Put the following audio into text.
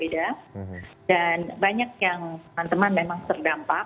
dan banyak yang teman teman memang terdampak